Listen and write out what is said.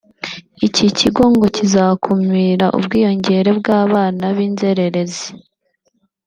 Iki kigo ngo kizakumira ubwiyongere bw’abana b’inzererezi